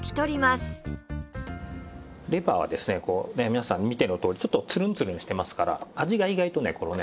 皆さん見ての通りちょっとつるんつるんしてますから味が意外とねこのね